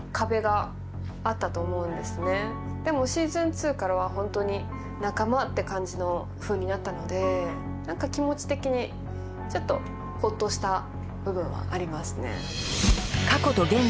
でも「Ｓｅａｓｏｎ２」からは本当に仲間って感じのふうになったので何か気持ち的にちょっとホッとした部分はありますね。